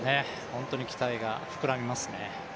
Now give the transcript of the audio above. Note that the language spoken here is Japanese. ホン島に期待が膨らみますね。